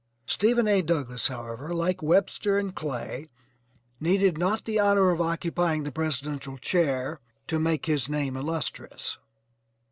Stephen A. Douglass however, like Webster and Clay, needed not the honor of occupying the presidential chair to make his name illustrious.